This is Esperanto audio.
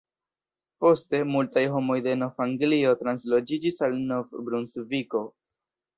Poste, multaj homoj de Nov-Anglio transloĝiĝis al Nov-Brunsviko.